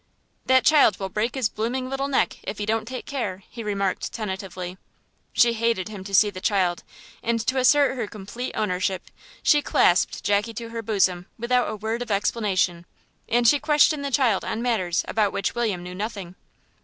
"That child will break 'is blooming little neck if 'e don't take care," he remarked tentatively. She hated him to see the child, and to assert her complete ownership she clasped Jackie to her bosom without a word of explanation, and she questioned the child on matters about which William knew nothing.